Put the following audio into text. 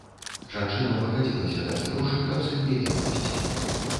Жанчына пагадзілася даць грошы, каб сын яе адпусціў.